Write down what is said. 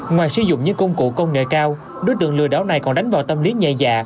ngoài sử dụng những công cụ công nghệ cao đối tượng lừa đảo này còn đánh vào tâm lý nhẹ dạ